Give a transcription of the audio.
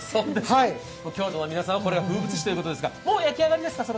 京都の皆さんにはこれが風物詩ですがもう焼き上がりですか？